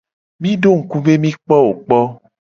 Mi do ngku be mi kpo wo kpo.